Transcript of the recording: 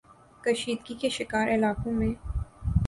کشیدگی کے شکار علاقوں میں